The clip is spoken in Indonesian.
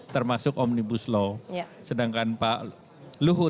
termasuk omnibus law sedangkan pak luhut